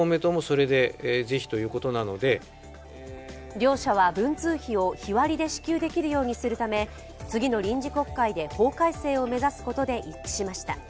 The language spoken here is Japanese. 両者は文通費を日割りで支給できるようにするため次の臨時国会で法改正を目指すことで一致しました。